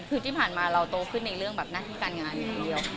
คือที่ผ่านมาเราโตขึ้นในเรื่องแบบหน้าที่การงานอย่างเดียว